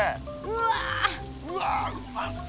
うわうまそ。